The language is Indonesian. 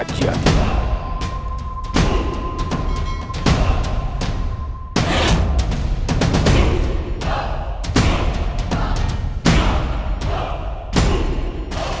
ajihan ini sirewangi